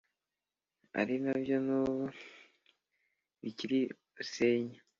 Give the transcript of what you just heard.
ari nabyo n`ubu bikirusenya.